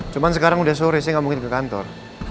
cuman sekarang udah sore saya gak mungkin ke kantor